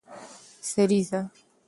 سريزه